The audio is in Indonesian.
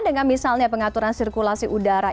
dengan misalnya pengaturan sirkulasi udara